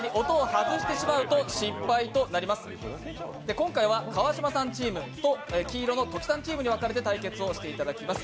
今回は川島サンチームと黄色のトキさんチームに分かれて対決していただきます。